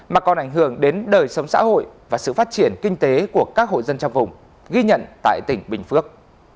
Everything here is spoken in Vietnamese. mà còn ảnh hưởng đến đời sống xã hội và sự phát triển kinh tế của các hộ dân trong vùng ghi nhận tại tỉnh bình phước